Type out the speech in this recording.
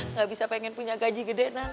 nggak bisa pengen punya gaji gede nak